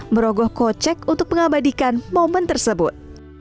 merogoh kocek untuk mengabadikan momen tersebut